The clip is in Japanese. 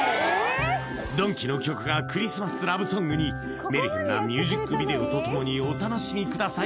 ドンキの曲がクリスマスラブソングにメルヘンなミュージックビデオとともにお楽しみください